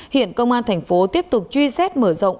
hiện công an tp hcm tiếp tục truy xét mở rộng